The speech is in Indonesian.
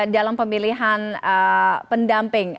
dalam pemilihan pendamping